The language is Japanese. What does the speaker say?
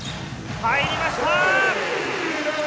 入りました！